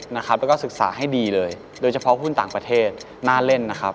แล้วก็ศึกษาให้ดีเลยโดยเฉพาะหุ้นต่างประเทศน่าเล่นนะครับ